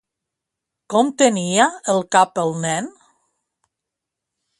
Com tenia el cap el nen?